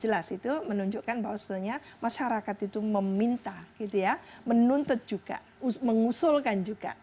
jelas itu menunjukkan bahwasannya masyarakat itu meminta menuntut juga mengusulkan juga